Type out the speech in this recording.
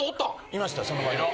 いましたその場に。